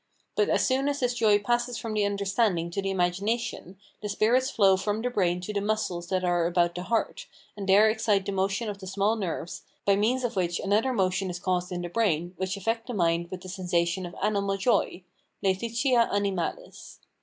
But as soon as this joy passes from the understanding to the imagination, the spirits flow from the brain to the muscles that are about the heart, and there excite the motion of the small nerves, by means of which another motion is caused in the brain, which affects the mind with the sensation of animal joy (LAETITIA ANIMALIS).